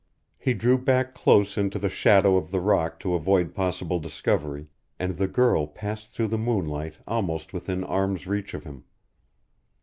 He drew back close into the shadow of the rock to avoid possible discovery, and the girl passed through the moonlight almost within arm's reach of him.